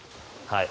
はい。